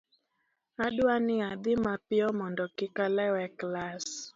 adwa ni adhi mapiyo mondo kik alew e klas